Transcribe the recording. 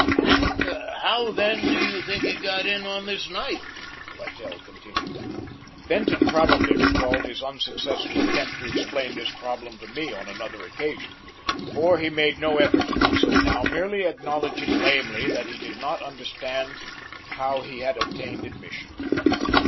"And how, then, do you think he got in on this night?" Littell continued. Benton probably recalled his unsuccessful attempt to explain this problem to me on another occasion, for he made no effort to do so now, merely acknowledging lamely that he did not understand how he had obtained admission.